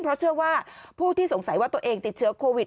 เพราะเชื่อว่าผู้ที่สงสัยว่าตัวเองติดเชื้อโควิด